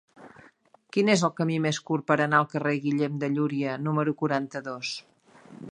Quin és el camí més curt per anar al carrer de Guillem de Llúria número quaranta-dos?